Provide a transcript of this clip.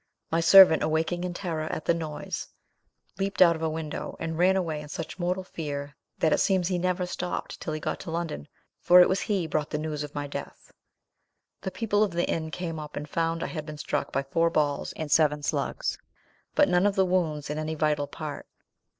My servant, awaking in terror at the noise, leaped out of a window, and ran away in such mortal fear, that it seems he never stopped till he got to London, for it was he brought the news of my death. "The people of the inn came up and found I had been struck by four balls and several slugs, but none of the wounds in any vital part.